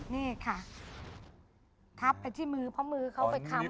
นี่ค่ะทับไปที่มือเพราะมือเขาไปคำ